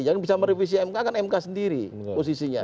yang bisa merevisi mk kan mk sendiri posisinya